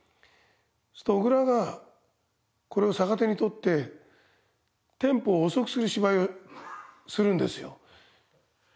そうすると小倉がこれを逆手に取ってテンポを遅くする芝居をするんですよ。